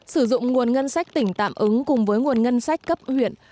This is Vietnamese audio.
sử dụng nguồn ngân sách tỉnh tạm ứng cùng với nguồn ngân sách cấp huyện